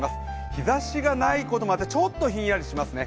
日ざしがないこともあってちょっとひんやりしますね。